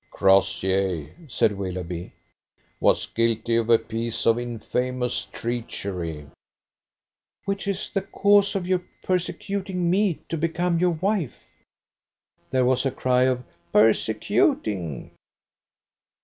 "Crossjay," said Willoughby, "was guilty of a piece of infamous treachery." "Which is the cause of your persecuting me to become your wife!" There was a cry of "Persecuting!"